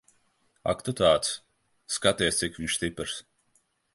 Ak tu tāds. Skaties, cik viņš stiprs.